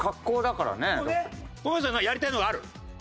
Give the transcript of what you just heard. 小宮さんやりたいのがある？